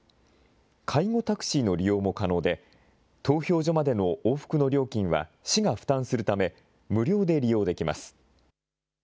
介護タクシーの利用も可能で、投票所までの往復の料金は市が負担するため、無料で利用できます。